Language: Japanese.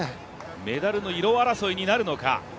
メダルの色争いになるのか。